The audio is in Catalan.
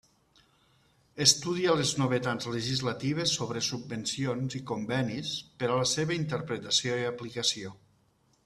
Estudia les novetats legislatives sobre subvencions i convenis per a la seva interpretació i aplicació.